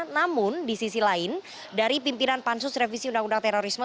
namun di sisi lain dari pimpinan pansus revisi undang undang terorisme